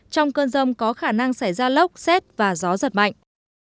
trong cơn rông có khả năng xảy ra lốc xét và gió giật mạnh